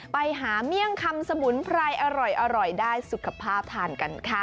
ไปหาเมี่ยงคำสมุนไพรอร่อยได้สุขภาพทานกันค่ะ